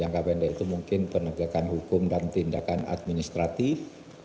jangka pendek itu mungkin penegakan hukum dan tindakan administratif